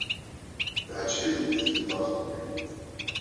Teɛjeb-itent tgiṭart-nni.